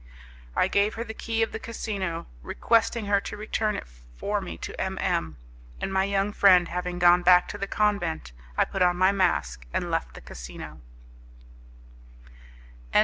I gave her the key of the casino, requesting her to return it for me to M M , and my young friend having gone back to the convent, I put on my mask and left the casino.